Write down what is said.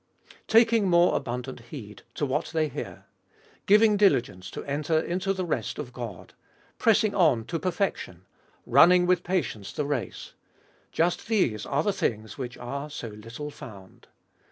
" Taking more abundant heed to what they hear"; "giving diligence to enter into the rest of God ";" pressing on to perfection ";" running with patience the race "— just these are the things which are so little found.